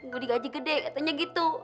gue digaji gede katanya gitu